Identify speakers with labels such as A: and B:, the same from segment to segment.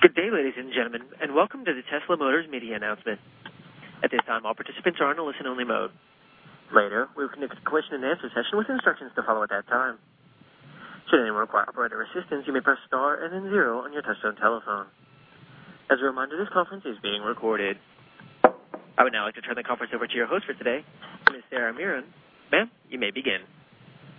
A: Good day, ladies and gentlemen, and welcome to the Tesla, Inc. Media Announcement. At this time, all participants are in a listen-only mode. Later, we will conduct a question-and-answer session with instructions to follow at that time. Should anyone require operator assistance, you may press star and then zero on your touchtone telephone. As a reminder, this conference is being recorded. I would now like to turn the conference over to your host for today, Ms. Sarah Miron. Ma'am, you may begin.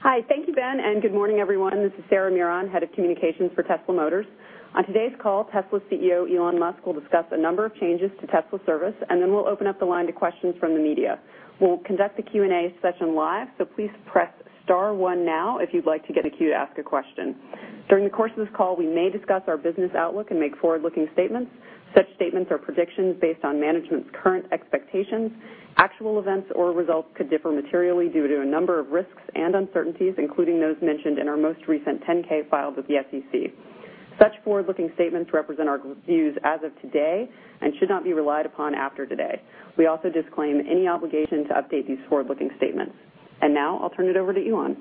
B: Hi. Thank you, Ben, and good morning, everyone. This is Sarah Miron, Head of Communications for Tesla Motors. On today's call, Tesla CEO Elon Musk will discuss a number of changes to Tesla service, and then we'll open up the line to questions from the media. We'll conduct the Q&A session live, so please press star one now if you'd like to get in queue to ask a question. During the course of this call, we may discuss our business outlook and make forward-looking statements. Such statements are predictions based on management's current expectations. Actual events or results could differ materially due to a number of risks and uncertainties, including those mentioned in our most recent 10-K filed with the SEC. Such forward-looking statements represent our views as of today and should not be relied upon after today. We also disclaim any obligation to update these forward-looking statements. Now, I'll turn it over to Elon.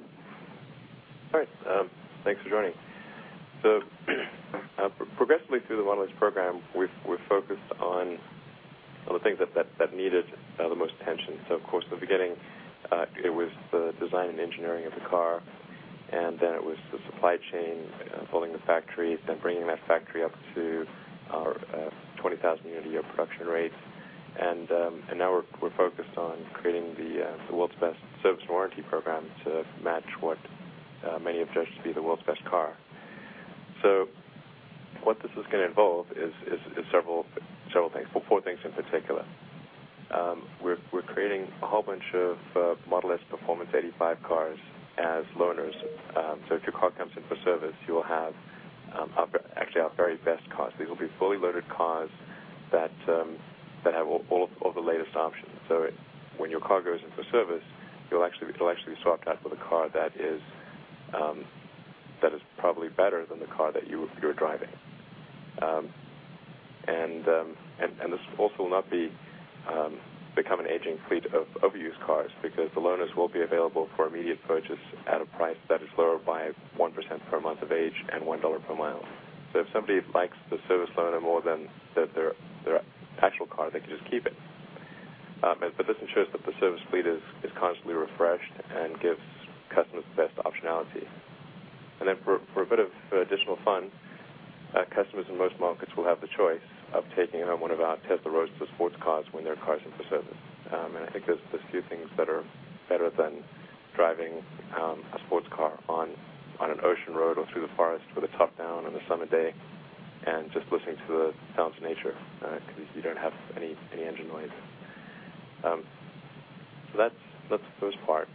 C: All right. Thanks for joining. Progressively through the Model S program, we're focused on the things that needed the most attention. Of course, the beginning, it was the design and engineering of the car, and then it was the supply chain, building the factory, then bringing that factory up to our 20,000 unit a year production rate. Now we're focused on creating the world's best service and warranty program to match what many have judged to be the world's best car. What this is going to involve is four things in particular. We're creating a whole bunch of Model S Performance 85 cars as loaners. If your car comes in for service, you will have actually our very best cars. These will be fully loaded cars that have all the latest options. When your car goes in for service, you'll actually be swapped out for the car that is probably better than the car that you were driving. This also will not become an aging fleet of used cars because the loaners will be available for immediate purchase at a price that is lower by 1% per month of age and $1 per mile. If somebody likes the service loaner more than their actual car, they can just keep it. This ensures that the service fleet is constantly refreshed and gives customers the best optionality. For a bit of additional fun, customers in most markets will have the choice of taking one of our Tesla Roadster sports cars when their car's in for service. I think there's few things that are better than driving a sports car on an ocean road or through the forest with the top down on a summer day and just listening to the sounds of nature because you don't have any engine noise. That's the first part.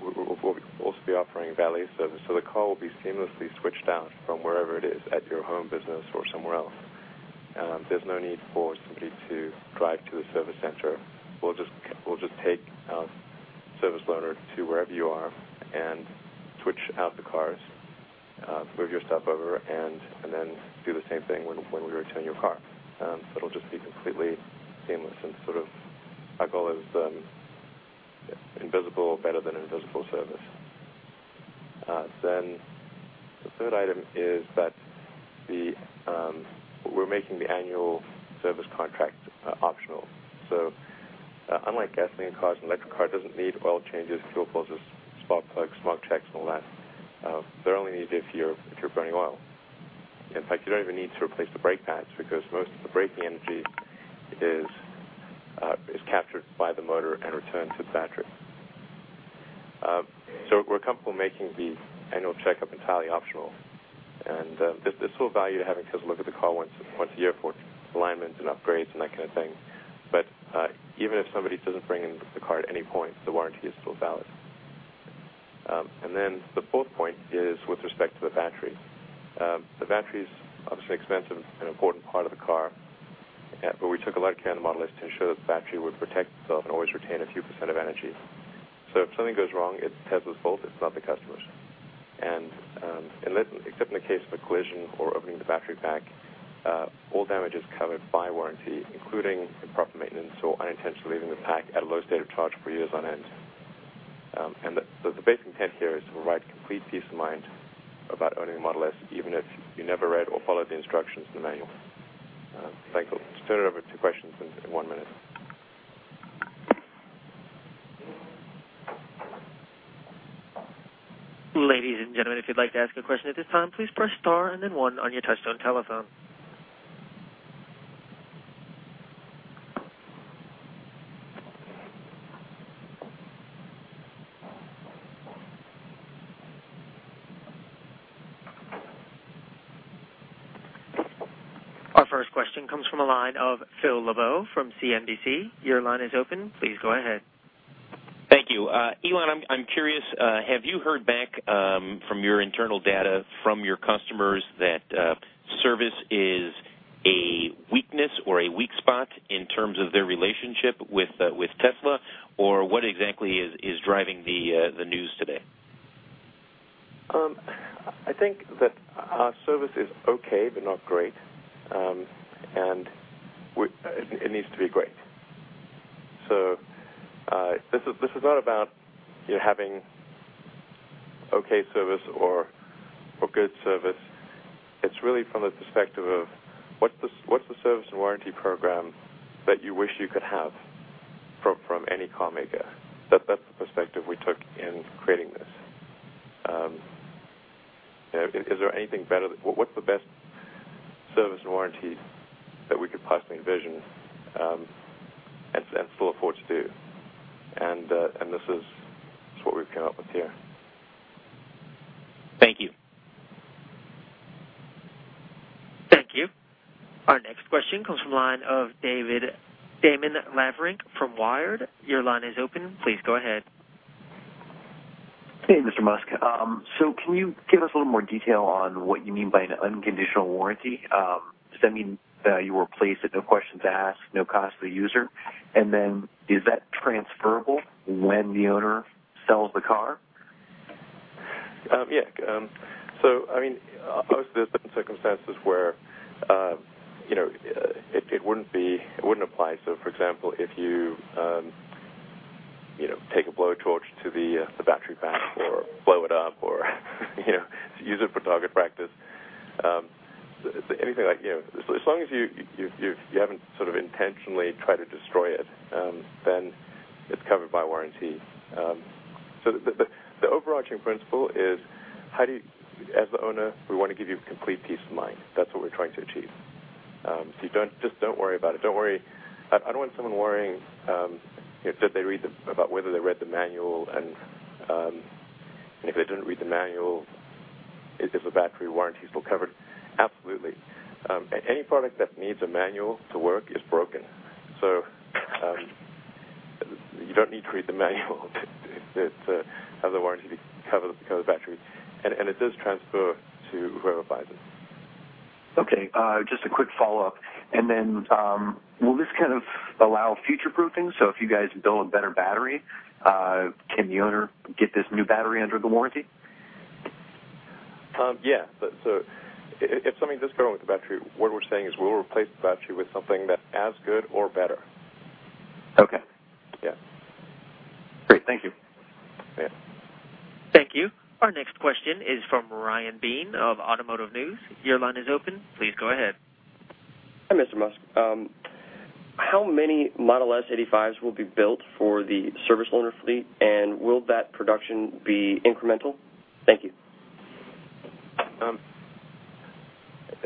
C: We'll also be offering valet service. The car will be seamlessly switched out from wherever it is, at your home, business, or somewhere else. There's no need for somebody to drive to a service center. We'll just take a service loaner to wherever you are and switch out the cars, move your stuff over, and then do the same thing when we return your car. It'll just be completely seamless and our goal is invisible, better than invisible service. The third item is that we're making the annual service contract optional. Unlike gasoline cars, an electric car doesn't need oil changes, fuel filters, spark plugs, smog checks, and all that. They're only needed if you're burning oil. In fact, you don't even need to replace the brake pads because most of the braking energy is captured by the motor and returned to the battery. We're comfortable making the annual checkup entirely optional. There's still value to having Tesla look at the car once a year for alignments and upgrades and that kind of thing. Even if somebody doesn't bring in the car at any point, the warranty is still valid. The fourth point is with respect to the battery. The battery's obviously expensive, an important part of the car. We took a lot of care in the Model S to ensure that the battery would protect itself and always retain a few percent of energy. If something goes wrong, it's Tesla's fault, it's not the customer's. Except in the case of a collision or opening the battery pack, all damage is covered by warranty, including improper maintenance or unintentionally leaving the pack at a low state of charge for years on end. The basic intent here is to provide complete peace of mind about owning a Model S, even if you never read or followed the instructions in the manual. Thank you. Let's turn it over to questions in one minute.
A: Ladies and gentlemen, if you'd like to ask a question at this time, please press star and then one on your touchtone telephone. Our first question comes from the line of Phil Lebeau from CNBC. Your line is open. Please go ahead.
D: Thank you. Elon, I'm curious, have you heard back from your internal data from your customers that service is a weakness or a weak spot in terms of their relationship with Tesla? What exactly is driving the news today?
C: I think that our service is okay, but not great. It needs to be great. This is not about you having okay service or good service. It's really from the perspective of what's the service and warranty program that you wish you could have from any car maker. That's the perspective we took in creating this. Is there anything better? What's the best service and warranty that we could possibly envision, and still afford to do? This is what we've come up with here.
D: Thank you.
A: Thank you. Our next question comes from the line of Damon Lavrinc from Wired. Your line is open. Please go ahead.
E: Hey, Mr. Musk. Can you give us a little more detail on what you mean by an unconditional warranty? Does that mean that you will replace it, no questions asked, no cost to the user? Is that transferable when the owner sells the car?
C: Yeah. Obviously, there's certain circumstances where it wouldn't apply. For example, if you take a blowtorch to the battery pack or blow it up or use it for target practice. As long as you haven't intentionally tried to destroy it, then it's covered by warranty. The overarching principle is, as the owner, we want to give you complete peace of mind. That's what we're trying to achieve. Just don't worry about it. I don't want someone worrying about whether they read the manual, and if they didn't read the manual, is the battery warranty still covered? Absolutely. Any product that needs a manual to work is broken. You don't need to read the manual to have the warranty cover the battery. It does transfer to whoever buys it.
E: Okay. Just a quick follow-up. Will this kind of allow future-proofing? If you guys build a better battery, can the owner get this new battery under the warranty?
C: Yeah. If something does go wrong with the battery, what we're saying is we'll replace the battery with something that's as good or better.
E: Okay.
C: Yeah.
E: Great. Thank you.
C: Yeah.
A: Thank you. Our next question is from Ryan Beene of Automotive News. Your line is open. Please go ahead.
F: Hi, Mr. Musk. How many Model S 85s will be built for the service loaner fleet, will that production be incremental? Thank you.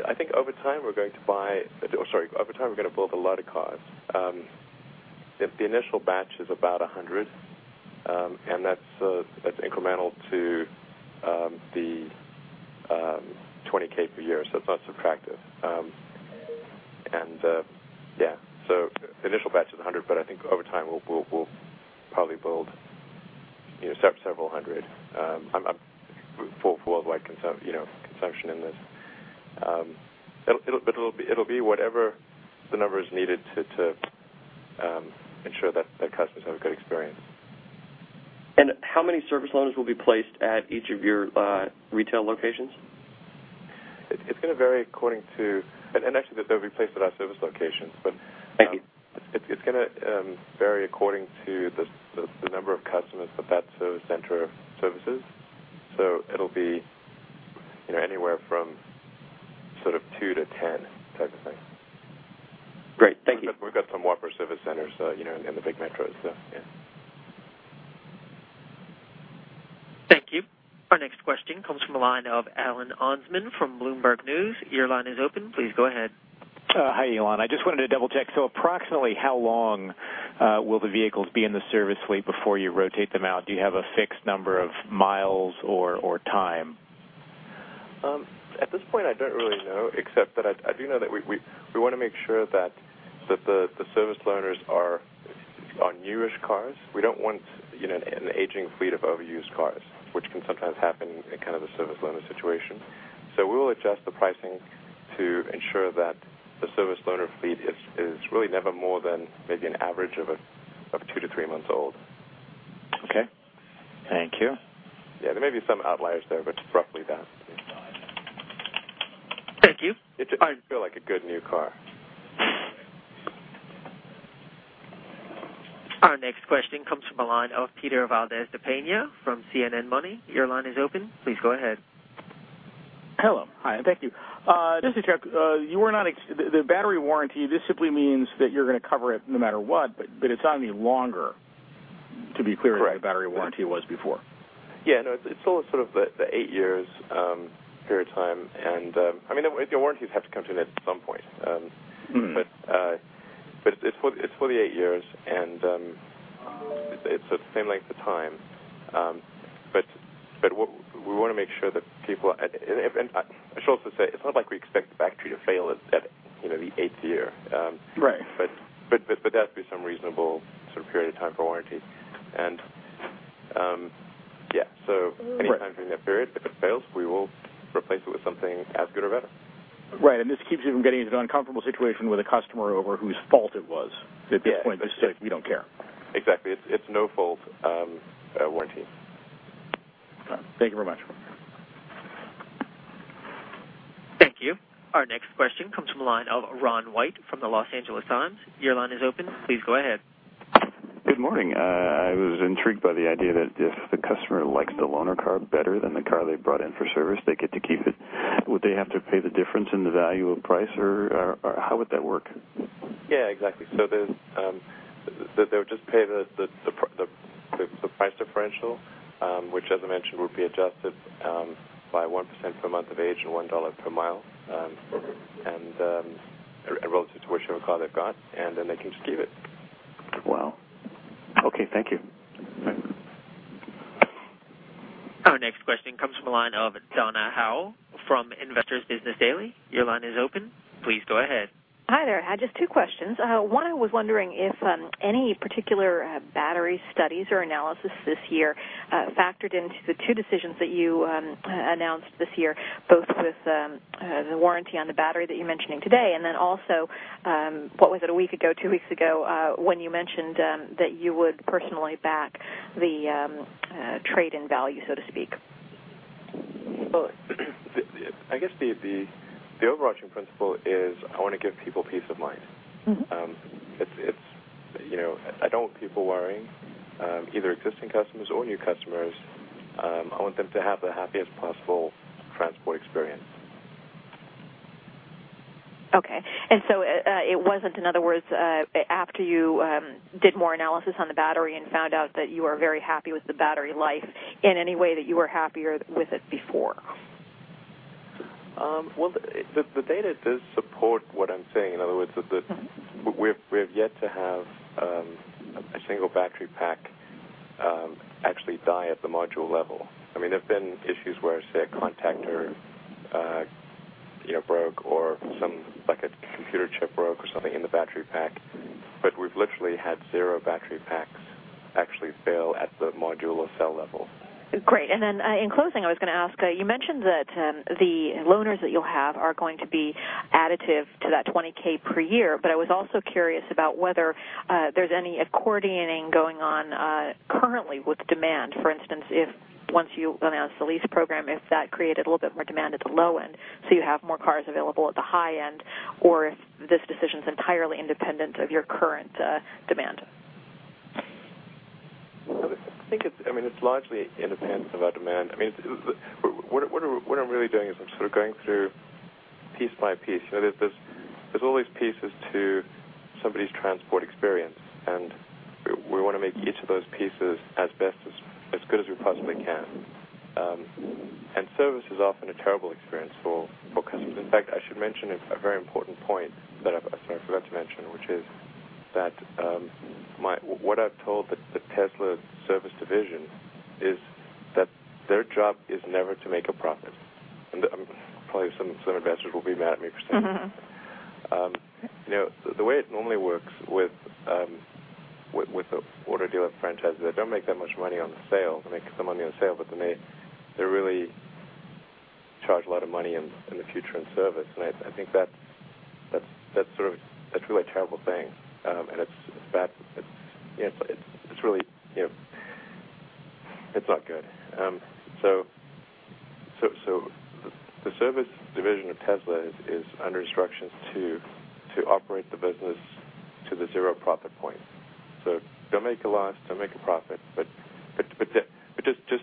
C: I think over time we're going to build a lot of cars. The initial batch is about 100, and that's incremental to the 20k per year, so it's not subtractive. Yeah. The initial batch is 100, but I think over time, we'll probably build several hundred for worldwide consumption in this. It'll be whatever the number is needed to ensure that the customers have a good experience.
F: How many service loans will be placed at each of your retail locations?
C: It's going to vary actually, they'll be placed at our service locations.
F: Thank you
C: it's going to vary according to the number of customers that center services. It'll be anywhere from two to 10 type of thing.
F: Great. Thank you.
C: We've got some whopper service centers in the big metros, so yeah.
A: Thank you. Our next question comes from the line of Alan Ohnsman from Bloomberg News. Your line is open. Please go ahead.
G: Hi, Elon. I just wanted to double-check. Approximately how long will the vehicles be in the service fleet before you rotate them out? Do you have a fixed number of miles or time?
C: At this point, I don't really know, except that I do know that we want to make sure that the service loaners are on newish cars. We don't want an aging fleet of overused cars, which can sometimes happen in a service loaner situation. We will adjust the pricing to ensure that the service loaner fleet is really never more than maybe an average of two to three months old.
G: Okay. Thank you.
C: Yeah, there may be some outliers there, roughly that. Thank you. It should feel like a good new car.
A: Our next question comes from the line of Peter Valdes-Dapena from CNN Business. Your line is open. Please go ahead.
H: Hello. Hi, and thank you. Just to check, the battery warranty, this simply means that you're going to cover it no matter what, but it's not any longer, to be clear.
C: Right
H: than the battery warranty was before.
C: Yeah, no, it's still the eight years period of time. The warranties have to come to an end at some point. It's for eight years, and it's the same length of time. I should also say, it's not like we expect the battery to fail at the eighth year.
H: Right.
C: There has to be some reasonable period of time for warranty. Yeah. Anytime during that period, if it fails, we will replace it with something as good or better.
H: Right. This keeps you from getting into an uncomfortable situation with a customer over whose fault it was. At this point, it's just like, we don't care.
C: Exactly. It's no-fault warranty.
H: All right. Thank you very much.
A: Thank you. Our next question comes from the line of Ronald White from the Los Angeles Times. Your line is open. Please go ahead.
I: Good morning. I was intrigued by the idea that if the customer likes the loaner car better than the car they brought in for service, they get to keep it. Would they have to pay the difference in the value of price, or how would that work?
C: Yeah, exactly. They would just pay the price differential, which as I mentioned, would be adjusted by 1% per month of age and $1 per mile-
I: Okay
C: Relative to whichever car they've got, and then they can just keep it.
I: Wow. Okay. Thank you.
C: Thanks.
A: Our next question comes from the line of Donna Howell from Investor's Business Daily. Your line is open. Please go ahead.
J: Hi there. Just two questions. One, I was wondering if any particular battery studies or analysis this year factored into the two decisions that you announced this year, both with the warranty on the battery that you're mentioning today, and also, what was it, a week ago, two weeks ago, when you mentioned that you would personally back the trade-in value, so to speak?
C: I guess the overarching principle is I want to give people peace of mind. I don't want people worrying, either existing customers or new customers. I want them to have the happiest possible transport experience.
J: Okay. It wasn't, in other words, after you did more analysis on the battery and found out that you are very happy with the battery life in any way that you were happier with it before?
C: Well, the data does support what I'm saying. In other words- We have yet to have a single battery pack actually die at the module level. There've been issues where, say, a contactor broke or a computer chip broke or something in the battery pack. We've literally had zero battery packs actually fail at the module or cell level.
J: Great. In closing, I was going to ask, you mentioned that the loaners that you'll have are going to be additive to that 20k per year, but I was also curious about whether there's any accordion effects going on currently with demand. For instance, if once you announced the lease program, if that created a little bit more demand at the low end, so you have more cars available at the high end, or if this decision's entirely independent of your current demand.
C: I think it's largely independent of our demand. What I'm really doing is I'm sort of going through piece by piece. There's all these pieces to somebody's transport experience, and we want to make each of those pieces as good as we possibly can. Service is often a terrible experience for customers. In fact, I should mention a very important point that I forgot to mention, which is that what I've told the Tesla service division is that their job is never to make a profit. Probably some investors will be mad at me for saying that. The way it normally works with auto dealer franchises, they don't make that much money on the sale. They make some money on the sale, they really charge a lot of money in the future in service. I think that's really a terrible thing. It's bad. It's not good. The service division of Tesla is under instructions to operate the business to the zero profit point. Don't make a loss, don't make a profit, but just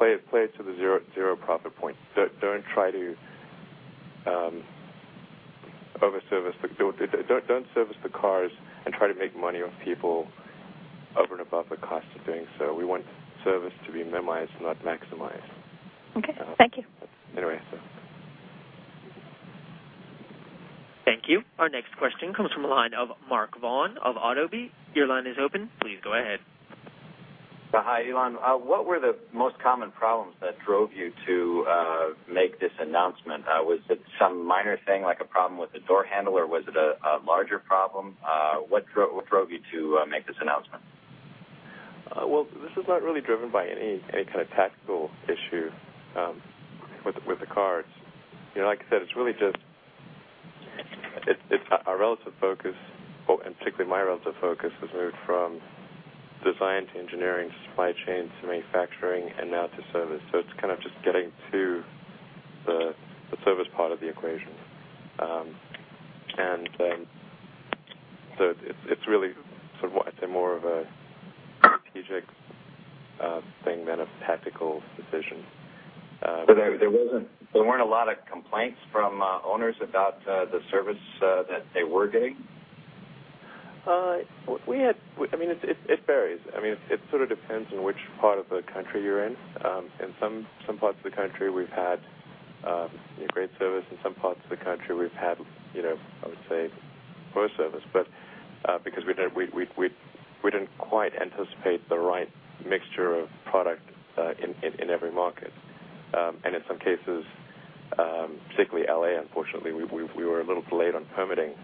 C: play it to the zero profit point. Don't try to over-service. Don't service the cars and try to make money off people over and above the cost of doing so. We want service to be minimized and not maximized.
J: Okay. Thank you.
C: Anyway.
A: Thank you. Our next question comes from the line of Mark Vaughn of Autoweek. Your line is open. Please go ahead.
K: Hi, Elon. What were the most common problems that drove you to make this announcement? Was it some minor thing, like a problem with the door handle, or was it a larger problem? What drove you to make this announcement?
C: This is not really driven by any kind of tactical issue with the cars. Like I said, our relative focus, and particularly my relative focus, has moved from design to engineering, supply chain to manufacturing, and now to service. It's kind of just getting to the service part of the equation. It's really more of a strategic thing than a tactical decision.
K: There weren't a lot of complaints from owners about the service that they were getting?
C: It varies. It sort of depends on which part of the country you're in. In some parts of the country, we've had great service. In some parts of the country, we've had, I would say, poor service because we didn't quite anticipate the right mixture of product in every market. In some cases, particularly L.A., unfortunately, we were a little delayed on permitting.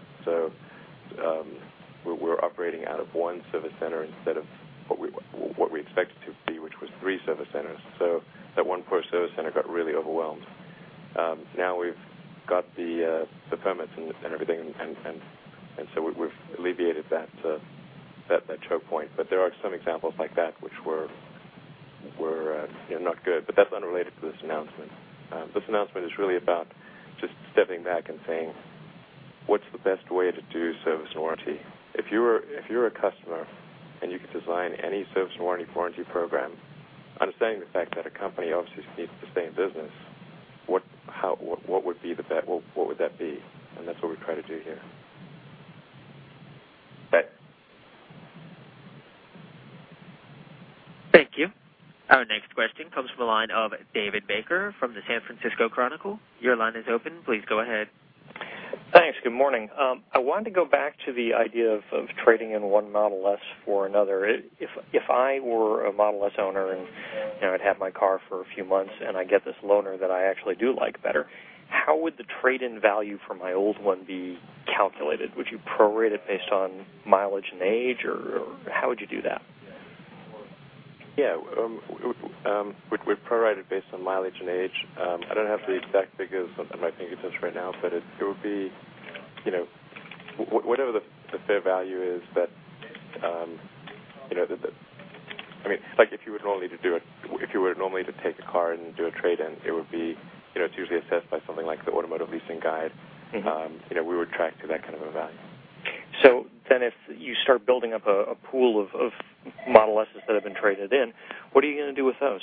C: We're operating out of one service center instead of what we expected to be three service centers. That one poor service center got really overwhelmed. Now we've got the permits and everything, we've alleviated that choke point. There are some examples like that which were not good, but that's unrelated to this announcement. This announcement is really about just stepping back and saying, "What's the best way to do service and warranty?" If you're a customer and you could design any service and warranty program, understanding the fact that a company obviously needs to stay in business, what would that be? That's what we try to do here.
A: Thank you. Our next question comes from the line of David Baker from the San Francisco Chronicle. Your line is open. Please go ahead.
L: Thanks. Good morning. I wanted to go back to the idea of trading in one Model S for another. If I were a Model S owner and I'd had my car for a few months, and I get this loaner that I actually do like better, how would the trade-in value for my old one be calculated? Would you prorate it based on mileage and age, or how would you do that?
C: Yeah. We'd prorate it based on mileage and age. I don't have the exact figures at my fingertips right now, but it would be whatever the fair value is. If you were to normally to take a car and do a trade-in, it's usually assessed by something like the Automotive Lease Guide. We would track to that kind of a value.
L: If you start building up a pool of Model S's that have been traded in, what are you going to do with those?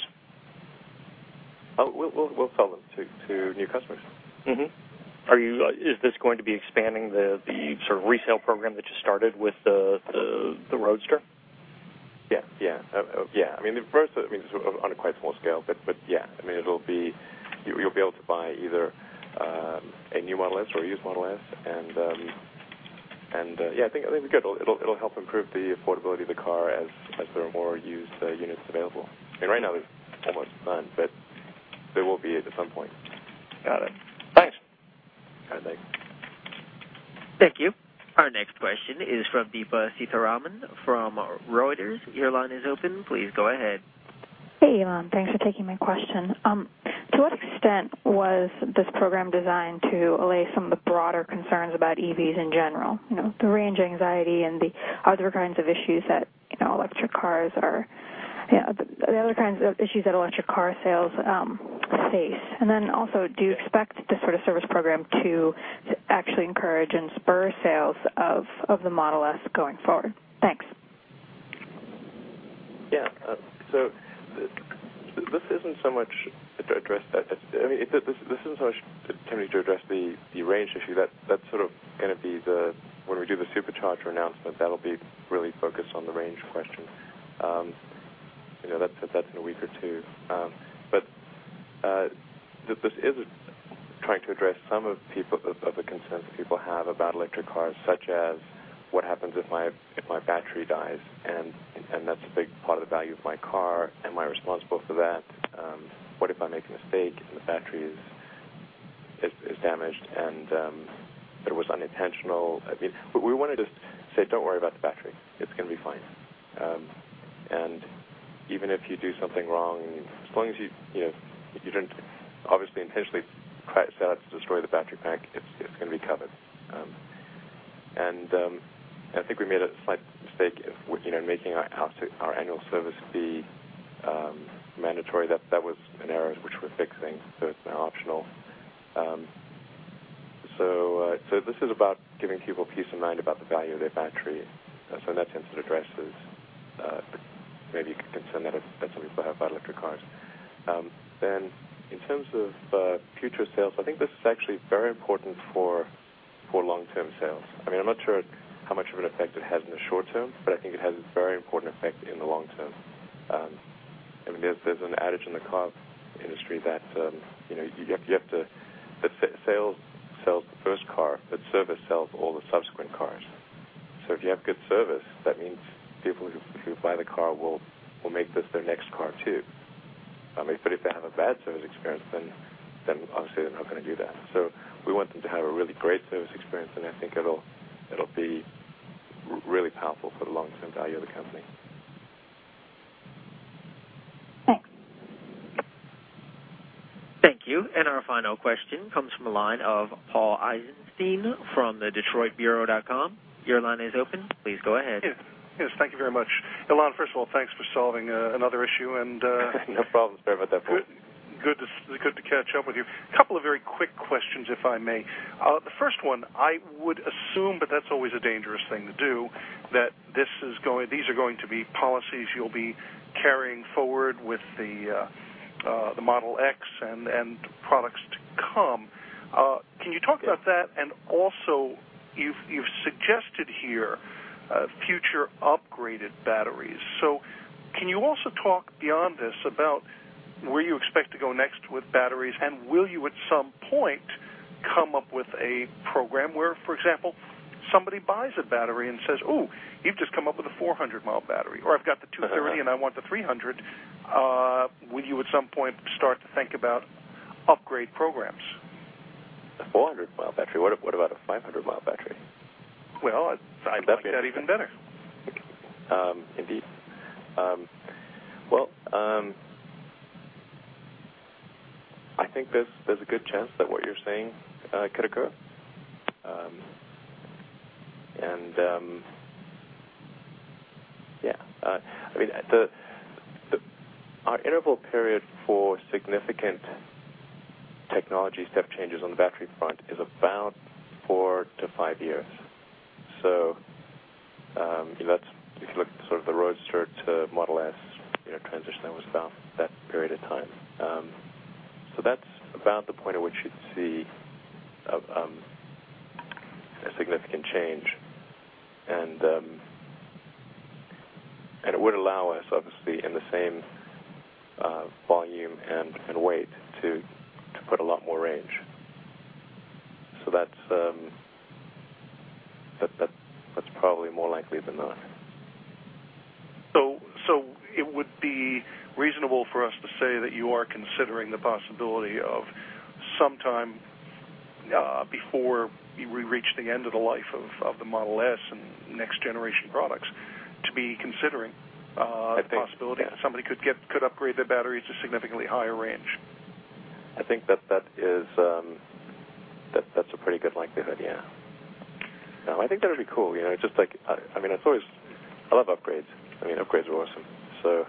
C: We'll sell them to new customers.
L: Mm-hmm. Is this going to be expanding the resale program that you started with the Roadster?
C: First, on a quite small scale, yeah. You'll be able to buy either a new Model S or a used Model S, yeah, I think it'll be good. It'll help improve the affordability of the car as there are more used units available. Right now there's almost none, there will be at some point.
L: Got it. Thanks.
C: Okay, thanks.
A: Thank you. Our next question is from Deepa Seetharaman from Reuters. Your line is open. Please go ahead.
M: Hey, Elon. Thanks for taking my question. To what extent was this program designed to allay some of the broader concerns about EVs in general? The range anxiety and the other kinds of issues that electric car sales face. Do you expect this sort of service program to actually encourage and spur sales of the Model S going forward? Thanks.
C: Yeah. This isn't so much to address the range issue. When we do the Supercharger announcement, that'll be really focused on the range question. That's in a week or two. This is trying to address some of the concerns that people have about electric cars, such as, what happens if my battery dies? That's a big part of the value of my car. Am I responsible for that? What if I make a mistake and the battery is damaged, and it was unintentional? We want to just say, "Don't worry about the battery. It's going to be fine. Even if you do something wrong, as long as you didn't obviously intentionally set out to destroy the battery pack, it's going to be covered." I think we made a slight mistake making our annual service fee mandatory. That was an error, which we're fixing. It's now optional. This is about giving people peace of mind about the value of their battery. In that sense, it addresses maybe a concern that some people have about electric cars. In terms of future sales, I think this is actually very important for long-term sales. I'm not sure how much of an effect it has in the short term, but I think it has a very important effect in the long term. There's an adage in the car industry that sales sells the first car, but service sells all the subsequent cars. If you have good service, that means people who buy the car will make this their next car, too. If they have a bad service experience, then obviously they're not going to do that. We want them to have a really great service experience, and I think it'll be really powerful for the long-term value of the company.
M: Thanks.
A: Thank you. Our final question comes from the line of Paul Eisenstein from TheDetroitBureau.com. Your line is open. Please go ahead.
N: Yes. Thank you very much. Elon, first of all, thanks for solving another issue.
C: No problem, sorry about that
N: Good to catch up with you. Couple of very quick questions, if I may. The first one, I would assume, but that's always a dangerous thing to do, that these are going to be policies you'll be carrying forward with the Model X and products to come. Can you talk about that? Also, you've suggested here future upgraded batteries. Can you also talk beyond this about where you expect to go next with batteries? Will you, at some point, come up with a program where, for example, somebody buys a battery and says, "Oh, you've just come up with a 400-mile battery," or, "I've got the 230 and I want the 300." Will you, at some point, start to think about upgrade programs?
C: A 400-mile battery. What about a 500-mile battery?
N: Well, I'd like that even better.
C: Indeed. Well, I think there's a good chance that what you're saying could occur. Our interval period for significant technology step changes on the battery front is about four to five years. If you look at the Roadster to Model S transition, that was about that period of time. That's about the point at which you'd see a significant change, and it would allow us, obviously, in the same volume and weight, to put a lot more range. That's probably more likely than not.
N: It would be reasonable for us to say that you are considering the possibility of, sometime before we reach the end of the life of the Model S and next generation products.
C: I think, yeah
N: a possibility that somebody could upgrade their battery to significantly higher range.
C: I think that's a pretty good likelihood, yeah. No, I think that'd be cool. I love upgrades. Upgrades are awesome.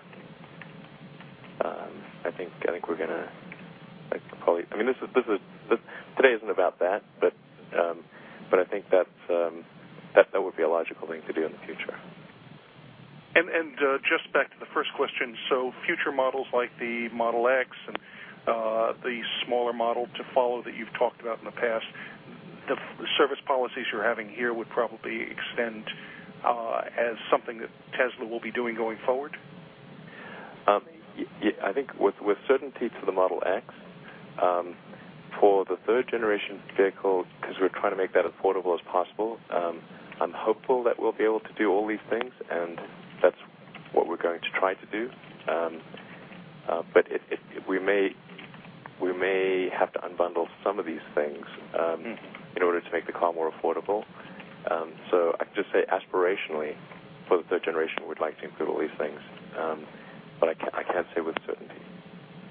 C: Today isn't about that, but I think that would be a logical thing to do in the future.
N: Just back to the first question. Future models like the Model X and the smaller model to follow that you've talked about in the past, the service policies you're having here would probably extend as something that Tesla will be doing going forward?
C: I think with certainty for the Model X. For the third-generation vehicle, because we're trying to make that affordable as possible, I'm hopeful that we'll be able to do all these things. That's what we're going to try to do. We may have to unbundle some of these things. in order to make the car more affordable. I'd just say, aspirationally, for the third generation, we'd like to include all these things. I can't say with certainty.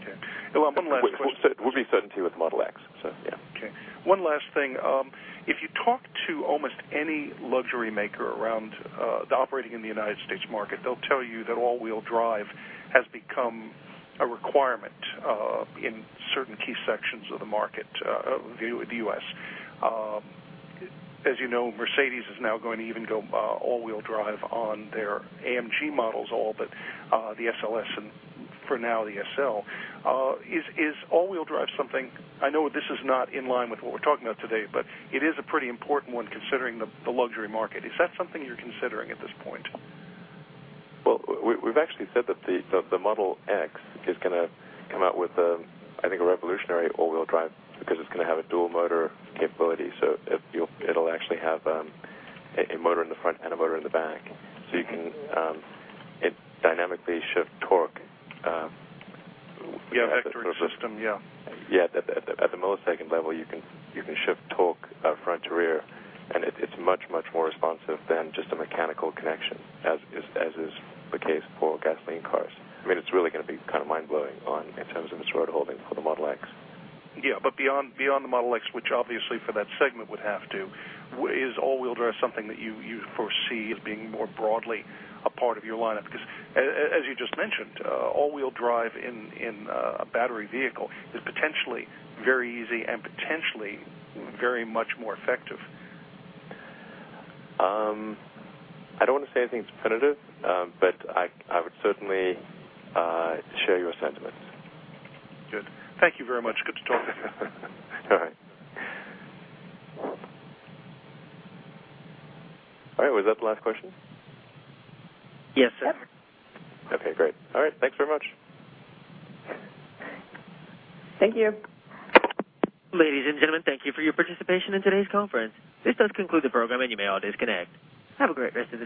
N: Okay. One last question.
C: We'll be certainty with the Model X. Yeah.
N: Okay. One last thing. If you talk to almost any luxury maker around, operating in the U.S. market, they'll tell you that all-wheel drive has become a requirement in certain key sections of the market, the U.S. As you know, Mercedes is now going to even go all-wheel drive on their AMG models, all but the SLS and, for now, the SL. Is all-wheel drive something, I know this is not in line with what we're talking about today, but it is a pretty important one considering the luxury market. Is that something you're considering at this point?
C: Well, we've actually said that the Model X is going to come out with, I think, a revolutionary all-wheel drive because it's going to have a dual motor capability. It'll actually have a motor in the front and a motor in the back. You can dynamically shift torque-
N: Yeah, vectoring system, yeah
C: Yeah. At the millisecond level, you can shift torque front to rear, and it's much more responsive than just a mechanical connection, as is the case for gasoline cars. It's really going to be mind-blowing in terms of its road-holding for the Model X.
N: Yeah, beyond the Model X, which obviously for that segment would have to, is all-wheel drive something that you foresee as being more broadly a part of your lineup? Because as you just mentioned, all-wheel drive in a battery vehicle is potentially very easy and potentially very much more effective.
C: I don't want to say anything that's definitive, I would certainly share your sentiments.
N: Good. Thank you very much. Good to talk.
C: All right. All right, was that the last question?
A: Yes, sir.
C: Okay, great. All right, thanks very much.
A: Thank you. Ladies and gentlemen, thank you for your participation in today's conference. This does conclude the program, and you may all disconnect. Have a great rest of the day